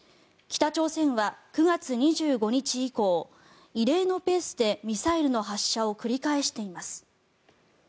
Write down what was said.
北朝鮮は９月２５日以降異例のペースでミサイルの発射を繰り返しています。